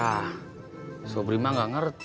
ya subrima gak ngerti pak